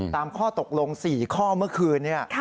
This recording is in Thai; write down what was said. ตามข้อตกลง๔ข้อเมื่อคืนเนี่ย